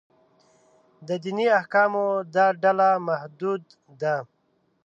د دیني احکامو دا ډله محدود ده.